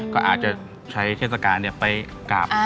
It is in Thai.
ก็อาจจะใช้เทศกาลไปกราบ